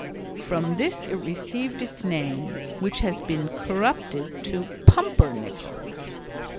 From this it received its name which has become corrupted to "pumpernickel."